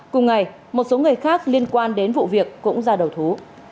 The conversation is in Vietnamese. cùng ngày một số người khác liên quan đến vụ việc cũng ra đầu thú